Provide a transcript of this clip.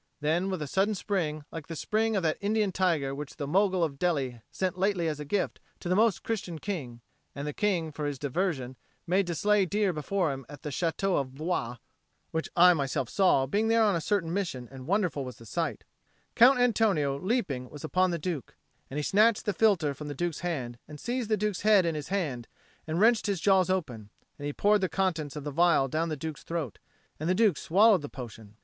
Then, with a sudden spring, like the spring of that Indian tiger which the Mogul of Delhi sent lately as a gift to the Most Christian King, and the king, for his diversion, made to slay deer before him at the château of Blois (which I myself saw, being there on a certain mission, and wonderful was the sight), Count Antonio, leaping, was upon the Duke; and he snatched the philtre from the Duke's hand and seized the Duke's head in his hands and wrenched his jaw open, and he poured the contents of the phial down the Duke's throat, and the Duke swallowed the potion.